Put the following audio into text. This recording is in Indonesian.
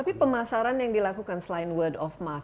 tapi pemasaran yang dilakukan selain word of mark